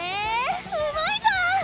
うまいじゃん！